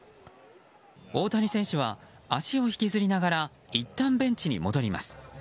大谷選手は足を引きずりながらいったんベンチに戻ります。